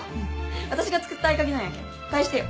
あたしが作った合鍵なんやけん返してよ。